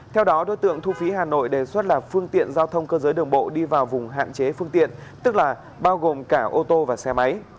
theo đó đối tượng thu phí hà nội đề xuất là phương tiện giao thông cơ giới đường bộ đi vào vùng hạn chế phương tiện tức là bao gồm cả ô tô và xe máy